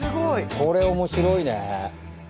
これ面白いね。